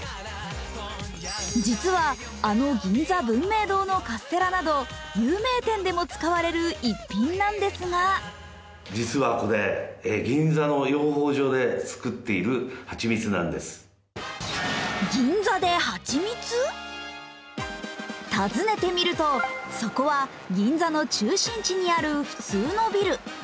実はあの銀座文明堂のカステラなど有名店でも使われる逸品なんですが訪ねてみると、そこは銀座の中心地にある普通のビル。